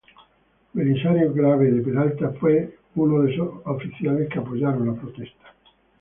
Belisario Grave de Peralta fue uno de esos oficiales que apoyaron la protesta.